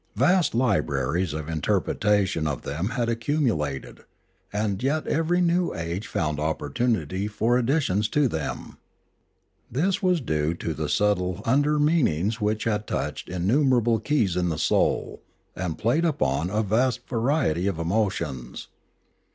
Vast libraries of interpret ation of them had accumulated, and yet every new age found opportunity for additions to them. This was due to the subtle tinder meanings that touched innumer able keys in the soul, and played upon a vast variety of emotions.